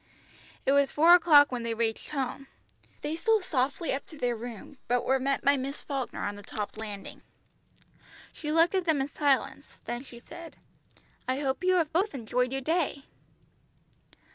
It was four o'clock when they reached home. They stole softly up stairs, but were met by Miss Falkner on the top landing. She looked at them in silence, then she said "I hope you have both enjoyed your day."